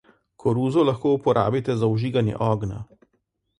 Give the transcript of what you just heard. Koruzo lahko uporabite za vžiganje ognja.